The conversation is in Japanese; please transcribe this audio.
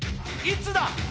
いつだ？